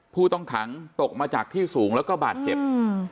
ผู้ต้องขังตกมาจากที่สูงแล้วก็บาดเจ็บอืม